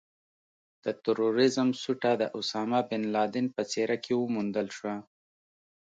د ترورېزم سوټه د اسامه بن لادن په څېره کې وموندل شوه.